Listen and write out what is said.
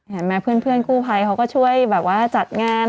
เห็นไหมเพื่อนกู้ไภเขาก็ช่วยแบบว่าจัดงาน